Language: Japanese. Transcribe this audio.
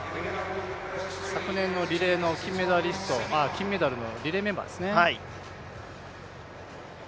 昨年の金メダルのリレーメンバーですね。